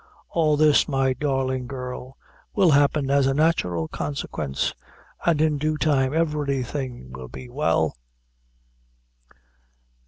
All this, my darling girl, will happen as a natural consequence, and in due time every thing will be well."